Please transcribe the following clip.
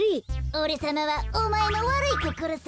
おれさまはおまえのわるいこころさ。